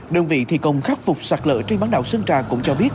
đơn vị thị công khắc phục sạt lỡ trên bán đảo sơn trà cũng cho biết